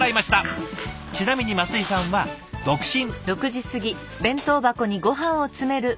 ちなみに升井さんは独身。